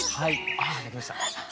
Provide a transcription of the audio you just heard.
ああ鳴きました。